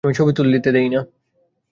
আমি ছবি তুলতে দেই না।